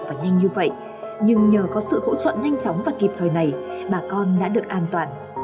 và nhanh như vậy nhưng nhờ có sự hỗ trợ nhanh chóng và kịp thời này bà con đã được an toàn